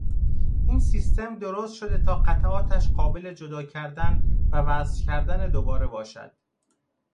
این سیستم درست شده تا قطعاتش قابل جدا کردن و وصل کردن دوباره باشد.